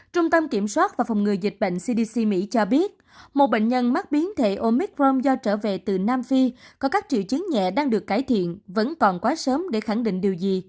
trung tâm kiểm soát và phòng ngừa dịch bệnh cdc mỹ cho biết một bệnh nhân mắc biến thể omicrom do trở về từ nam phi có các triệu chứng nhẹ đang được cải thiện vẫn còn quá sớm để khẳng định điều gì